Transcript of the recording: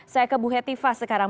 saya ke bu hetiva sekarang